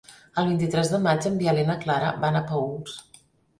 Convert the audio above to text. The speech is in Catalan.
El vint-i-tres de maig en Biel i na Clara van a Paüls.